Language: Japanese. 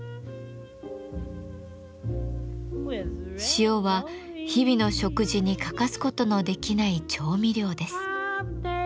塩は日々の食事に欠かすことのできない調味料です。